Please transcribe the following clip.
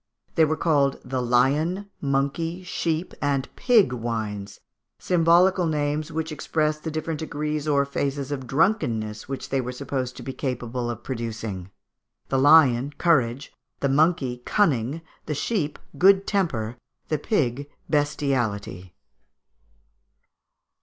They were called the lion, monkey, sheep, and pig wines, symbolical names, which expressed the different degrees or phases of drunkenness which they were supposed to be capable of producing: the lion, courage; the monkey, cunning; the sheep, good temper; the pig, bestiality.